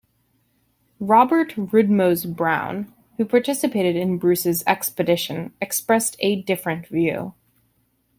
Robert Rudmose-Brown, who participated in Bruce's expedition, expressed a different view.